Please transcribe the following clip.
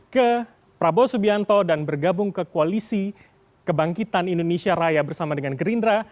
ke prabowo subianto dan bergabung ke koalisi kebangkitan indonesia raya bersama dengan gerindra